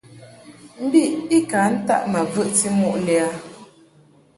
Mbiʼ i ka ntaʼ ma vəʼti muʼ lɛ a.